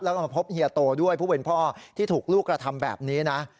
แล้วก็มาพบเฮียโตด้วยผู้เป็นพ่อที่ถูกลูกกระทำแบบนี้นะ